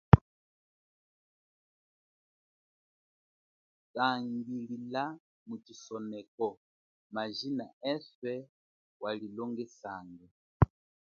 Tangilila mu chisoneko majina waze walilongesanga.